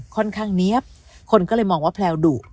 ค่อนข้างเนี๊ยบคนก็เลยมองว่าแพลวดุ